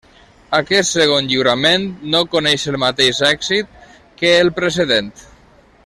Aquest segon lliurament no coneix el mateix èxit que el precedent.